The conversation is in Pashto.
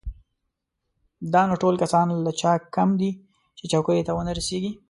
نو دا ټول کسان له چا کم دي چې چوکیو ته ونه رسېږي.